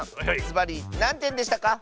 ずばりなんてんでしたか？